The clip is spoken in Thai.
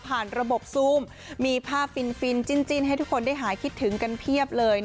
ระบบซูมมีภาพฟินจิ้นให้ทุกคนได้หายคิดถึงกันเพียบเลย